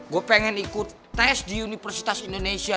gue pengen ikut tes di universitas indonesia